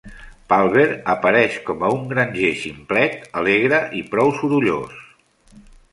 Palver apareix com a un granger ximplet, alegre i prou sorollós.